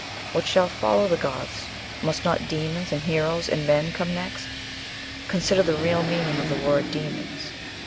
What shall follow the gods? Must not demons and heroes and men come next?... Consider the real meaning of the word demons.